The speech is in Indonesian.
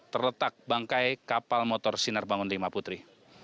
terletak bangkai kapal motor sinar bangun v putri